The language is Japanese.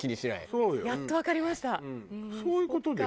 やっとわかりました。